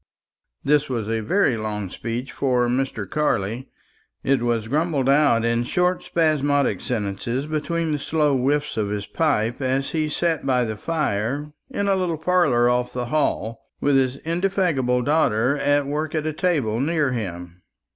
This was a very long speech for Mr. Carley. It was grumbled out in short spasmodic sentences between the slow whiffs of his pipe, as he sat by the fire in a little parlour off the hall, with his indefatigable daughter at work at a table near him.